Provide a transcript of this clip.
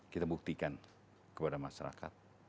kita buktikan kepada masyarakat